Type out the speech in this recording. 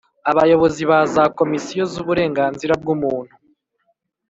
Abayobozi ba za Komisiyo zuburenganzira bw’muntu.